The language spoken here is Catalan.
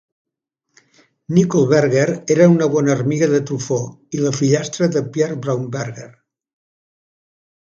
Nicole Berger era una bona amiga de Truffaut i la fillastra de Pierre Braunberger.